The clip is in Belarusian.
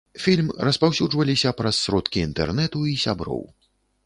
Фільм распаўсюджваліся праз сродкі інтэрнэту і сяброў.